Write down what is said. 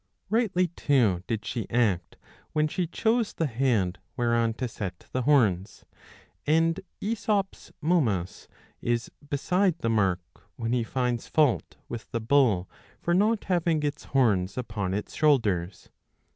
^^ Rightly too did she act when she chose the head whereon to set the horns. And ^sop's Momus^* is beside the mark, when he finds fault with the bull for not having its horns upon its shoulders.